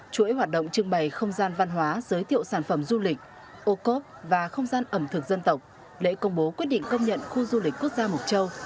chuỗi hoạt động trưng bày không gian văn hóa giới thiệu sản phẩm du lịch ô cốp và không gian ẩm thực dân tộc lễ công bố quyết định công nhận khu du lịch quốc gia mộc châu